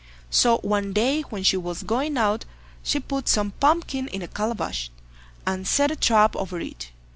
So one day when she was going out, she put some pumpkin in a calabash, and set a trap over it.